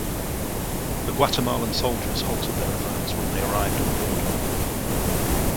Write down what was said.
The Guatemalan soldiers halted their advance when they arrived at the border.